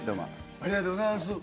ありがとうございます。